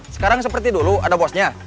sekarang seperti dulu ada bosnya